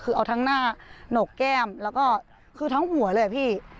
คือเอาทั้งหน้าหนกแก้มแล้วก็คือทั้งหัวเลยอะพี่